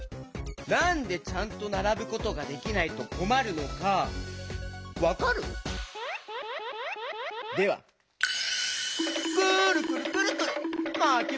なんでちゃんとならぶことができないとこまるのかわかる？ではくるくるくるくるまきもどしタイム！